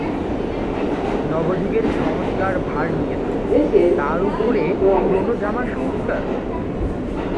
নব যুগের সংস্কারভার নিয়েছ, তার উপরে পুরোনো জামার সংস্কার?